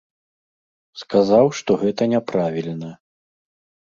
Сказаў, што гэта няправільна.